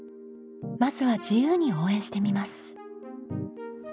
まずは自由に応援してみます。